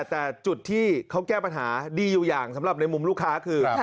แต่จุดที่เขาแก้ปัญหาดีอยู่อย่างสำหรับในมุมลูกค้าคือ